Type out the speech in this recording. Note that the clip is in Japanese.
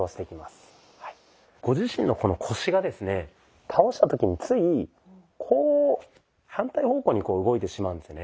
ご自身のこの腰がですね倒した時についこう反対方向に動いてしまうんですよね。